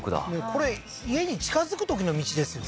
これ家に近づくときの道ですよね